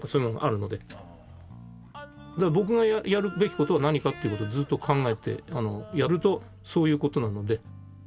だから僕がやるべき事は何かっていう事をずっと考えてやるとそういう事なので。